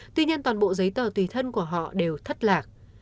tuy nhiên toàn bộ giấy tờ tùy thân của họ đều thất lạc